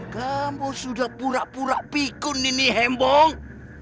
kamu sudah pura pura pikun ini hebong